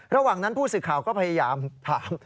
ระหว่างนั้นผู้สื่อข่าวก็พยายามถาม